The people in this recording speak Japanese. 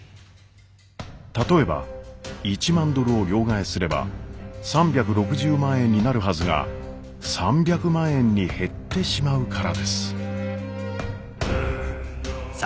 例えば１万ドルを両替すれば３６０万円になるはずが３００万円に減ってしまうからです。